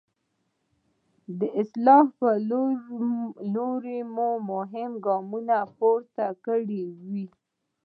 د اصلاح په لوري مو مهم ګام پورته کړی وي.